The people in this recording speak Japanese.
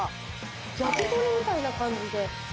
焼き鳥みたいな感じで。